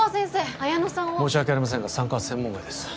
彩乃さんを申し訳ありませんが産科は専門外です